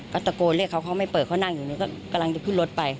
ก็ตะโกนเรียกเขาเขาไม่เปิดเขานั่งอยู่นี่ก็กำลังจะขึ้นรถไป